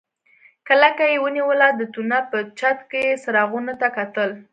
کلکه يې ونيوله د تونل په چت کې څراغونو ته کتل.